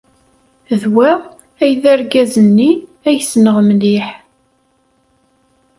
D wa ay d argaz-nni ay ssneɣ mliḥ.